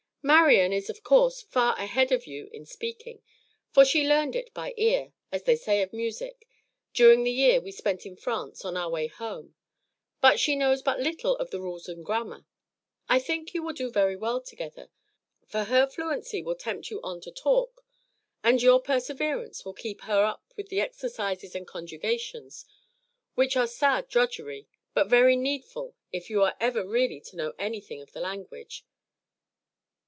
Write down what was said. "Marian is, of course, far ahead of you in speaking, for she learned it by ear, as they say of music, during the year we spent in France on our way home; but she knows but little of the rules and grammar. I think you will do very well together; for her fluency will tempt you on to talk, and your perseverance will keep her up to the exercises and conjugations, which are sad drudgery, but very needful if you are ever really to know anything of the language.